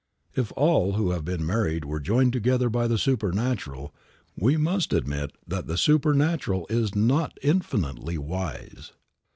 If all who have been married were joined together by the supernatural, we must admit that the supernatural is not infinitely wise.